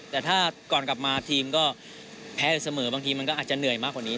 แต่ถ้าก่อนกลับมาทีมก็แพ้อยู่เสมอบางทีมันก็อาจจะเหนื่อยมากกว่านี้